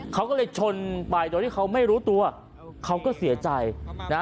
เขาก็เลยชนไปโดยที่เขาไม่รู้ตัวเขาก็เสียใจนะ